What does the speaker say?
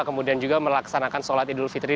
kemudian juga melaksanakan sholat idul fitri